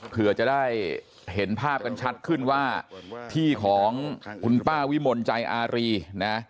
เผื่อจะได้เห็นภาพกันชัดขึ้นว่าที่ของคุณป้าวิมลใจอารีนะ